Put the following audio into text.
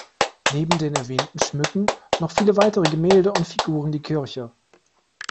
Neben den erwähnten schmücken noch viele weitere Gemälde und Figuren die Kirche.